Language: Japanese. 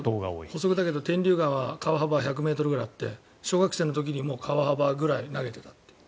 補足だけど天竜川は川幅が１００ｍぐらいあって小学生の時にもう川幅ぐらい投げていたと。